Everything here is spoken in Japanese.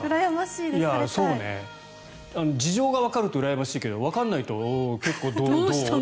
事情がわかるとうらやましいけどわからないと結構、どう？